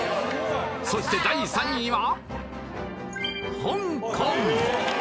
そして第３位は香港！